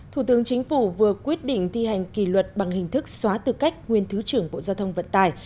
thủ tướng chính phủ vừa quyết định thi hành kỳ luật bằng hình thức xóa tư cách nguyên thứ trưởng bộ giao thông vận tải